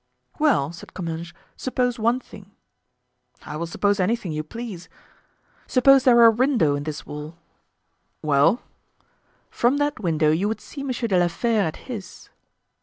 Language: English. "Well," said Comminges, "suppose one thing." "I will suppose anything you please." "Suppose there were a window in this wall." "Well?" "From that window you would see Monsieur de la Fere at his."